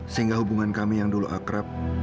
sehingga hubungan kami yang dulu akrab